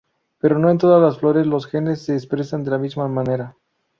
Pero no en todas las flores los genes se expresan de la misma manera.